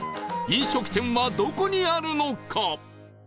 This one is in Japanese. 飲食店はどこにあるのか？